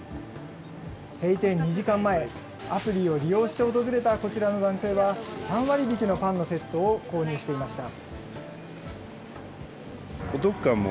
閉店２時間前、アプリを利用して訪れたこちらの男性は３割引きのパンのセットを購入していました。